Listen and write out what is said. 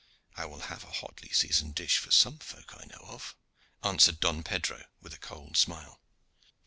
"I will have a hotly seasoned dish for some folk I know of," answered Don Pedro with a cold smile.